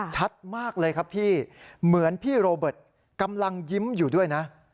ชัดมากเลยครับพี่เหมือนพี่โรเบิร์ตกำลังยิ้มอยู่ด้วยนะ